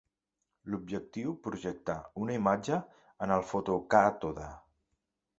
L'objectiu projecta una imatge en el fotocàtode.